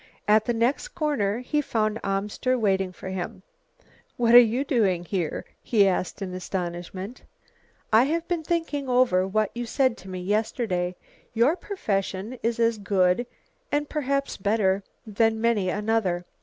At the next corner he found Amster waiting for him. "What are you doing here?" he asked in astonishment. "I have been thinking over what you said to me yesterday. Your profession is as good and perhaps better than many another."